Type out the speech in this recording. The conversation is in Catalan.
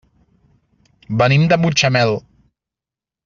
Venim de Mutxamel.